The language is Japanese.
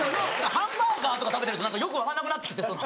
ハンバーガーとか食べてるとよく分かんなくなってきて。